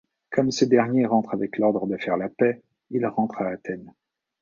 Comme ce dernier rentre avec l'ordre de faire la paix, il rentre à Athènes.